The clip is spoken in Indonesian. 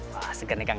wah segera nih kang ya